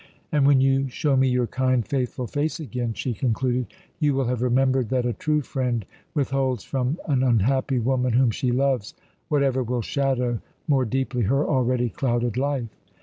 "And when you show me your kind, faithful face again," she concluded, "you will have remembered that a true friend withholds from an unhappy woman whom she loves whatever will shadow more deeply her already clouded life.